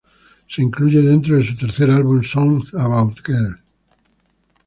Se incluye dentro de su tercer álbum Songs about girls.